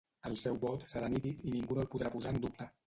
El seu vot serà nítid i ningú no el podrà posar en dubte.